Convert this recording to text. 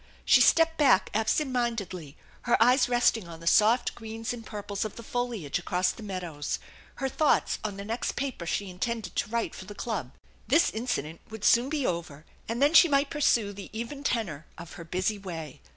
She stepped back absent mindedly, her eyes resting on the soft greens and purples of the foliage across the meadows, her thoughts on the next paper she intended to write for the club. This incident would soon be over, and then she might pursue the even tenor of her busy way.